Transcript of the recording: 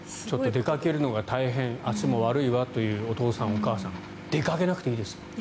出かけるのは大変足も悪いわというお父さん、お母さん出かけなくていいですよ。